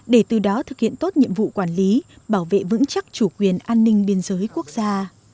để từ đó thực hiện tốt nhiệm vụ quản lý bảo vệ vững chắc chủ quyền an ninh biên giới quốc gia